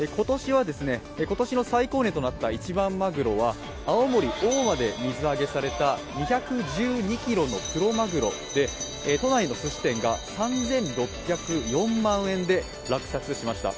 今年の最高値となった一番マグロは青森県・大間で水揚げされた２１２ｋｇのクロマグロで都内のすし店が３６０４万円で落札しました。